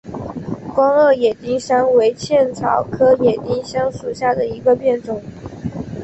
光萼野丁香为茜草科野丁香属下的一个变种。